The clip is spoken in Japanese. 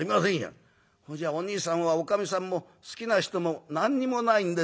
『それじゃあおにいさんはおかみさんも好きな人も何にもないんですか？』